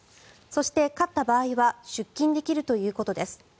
そして、勝った場合は出金できるということです。